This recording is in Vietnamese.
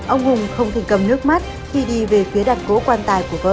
ông hùng không thể cầm nước mắt khi đi về phía đặt cố quan tài của vợ